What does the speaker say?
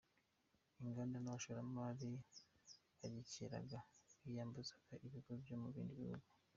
Inganda n’abashoramari bagikeneraga biyambazaga ibigo byo mu bindi bihugu.